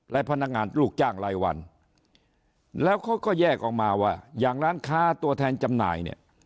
และพนักงานลูกจ้างรายวันแล้วเขาก็แยกออกมาว่าอย่างร้านค้าตัวแทนจำหน่ายเนี่ย